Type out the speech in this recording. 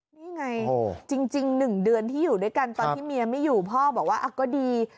นี่ไงจริง๑เดือนที่อยู่ด้วยกันตอนที่เมียไม่อยู่พ่อบอกว่าก็ดี